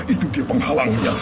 itu dia penghalangnya